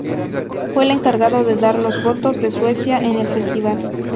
Fue el encargado de dar los votos de Suecia en el festival.